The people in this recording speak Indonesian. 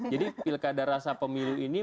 jadi pilkada rasa pemilu ini